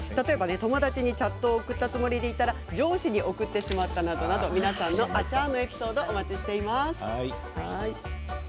友達にチャットを送ったつもりでいたら上司に送ってしまったなどあちゃーのエピソードをお待ちしています。